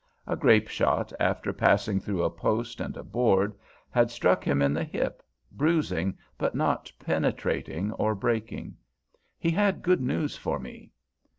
A grape shot, after passing through a post and a board, had struck him in the hip, bruising, but not penetrating or breaking. He had good news for me.